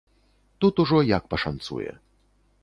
Тут ужо, як пашанцуе.